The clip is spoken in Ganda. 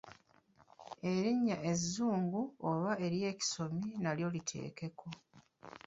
Erinnya ezzungu oba ery’ekisomi nalyo liteekeko.